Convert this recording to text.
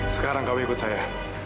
sekarang kau ikut saya